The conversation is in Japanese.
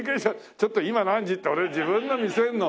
ちょっと「今何時？」って俺自分の見せるの。